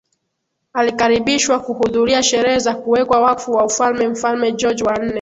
Alikaribishwa kuhudhuria Sherehe za Kuwekwa Wakfu wa Ufalme Mfalme George wa nne